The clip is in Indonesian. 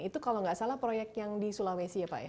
itu kalau nggak salah proyek yang di sulawesi ya pak ya